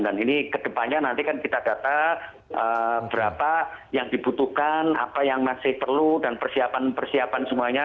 dan ini ke depannya nanti kan kita data berapa yang dibutuhkan apa yang masih perlu dan persiapan persiapan semuanya